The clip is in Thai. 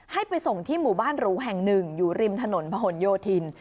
ให้ไปส่งที่หมู่บ้านหรูแห่งหนึ่งอยู่ริมถนนพะหนโยธิน